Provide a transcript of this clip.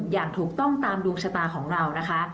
อย่างถูกต้องตามดวงชะตาของเรานะคะ